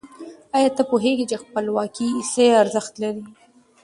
آیا ته پوهېږي چې خپلواکي څه ارزښت لري؟